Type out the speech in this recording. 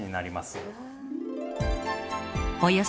およそ